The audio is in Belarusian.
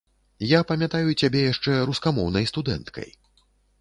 Я памятаю цябе яшчэ рускамоўнай студэнткай.